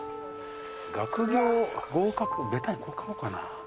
学業合格これ買おうかな。